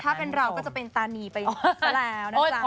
ถ้าเป็นเราก็จะเป็นตานีไปซะแล้วนะจ๊ะ